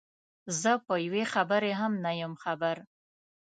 زه په یوې خبرې هم نه یم خبر.